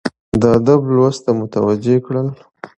د ادب لوست ته متوجه کړل،